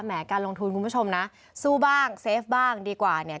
การลงทุนคุณผู้ชมนะสู้บ้างเซฟบ้างดีกว่าเนี่ย